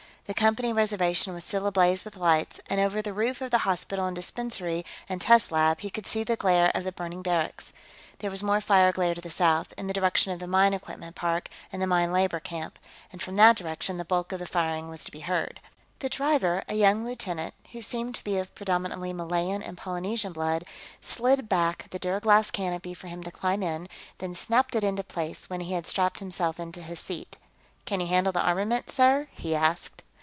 The Company reservation was still ablaze with lights, and over the roof of the hospital and dispensary and test lab he could see the glare of the burning barracks. There was more fire glare to the south, in the direction of the mine equipment park and the mine labor camp, and from that direction the bulk of the firing was to be heard. The driver, a young lieutenant who seemed to be of predominantly Malayan and Polynesian blood, slid back the duraglass canopy for him to climb in, then snapped it into place when he had strapped himself into his seat. "Can you handle the armament, sir?" he asked.